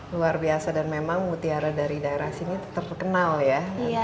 luar biasa dan memang mutiara dari daerah sini terkenal ya